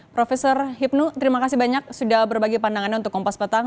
profesor hipnu terima kasih banyak sudah berbagi pandangannya untuk kompas petang